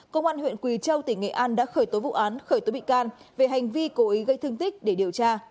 công an huyện quỳ châu tỉnh nghệ an đã khởi tố vụ án khởi tố bị can về hành vi cố ý gây thương tích để điều tra